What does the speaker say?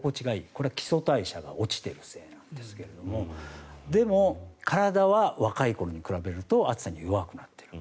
これは基礎代謝が落ちてるせいですけどでも、体は若い頃に比べると暑さには弱くなっている。